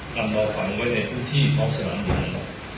นำรอฟังไว้ในคู่ที่พร้อมเศรษฐ์หลังหลัง